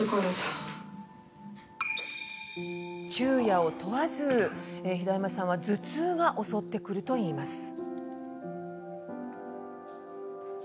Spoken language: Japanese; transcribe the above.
昼夜を問わず頭痛が襲ってくると言います。